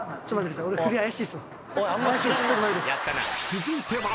［続いては］